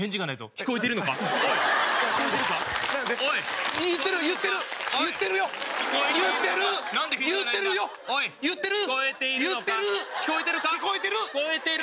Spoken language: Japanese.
聞こえてる！